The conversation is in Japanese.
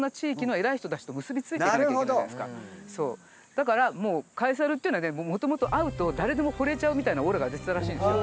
だからカエサルっていうのはもともと会うと誰でも惚れちゃうみたいなオーラが出てたらしいんですよ。